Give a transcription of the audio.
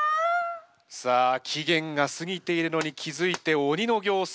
さあ期限が過ぎているのに気付いて鬼の形相。